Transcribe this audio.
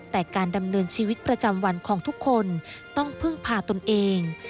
แต่การดำเนินชีวิตประจำวันของทุกคนต้องพึ่งพาตนเอง